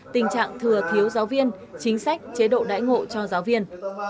tình trạng thừa thiếu giáo viên chính sách chế độ đại ngộ cho giáo viên